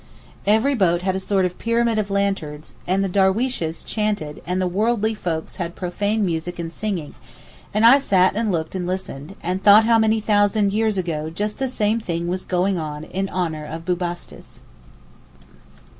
Every boat had a sort of pyramid of lanterns, and the derweeshes chanted, and the worldly folks had profane music and singing, and I sat and looked and listened, and thought how many thousand years ago just the same thing was going on in honour of Bubastis.